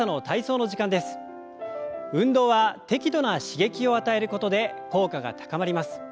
運動は適度な刺激を与えることで効果が高まります。